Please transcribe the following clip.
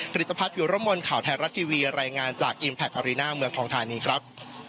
ริตภัทรวิรมลข่าวไทยรัฐทีวีรายงานจากอิมแพคอารีน่าเมืองทองทานีครับ